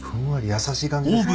優しい感じですね。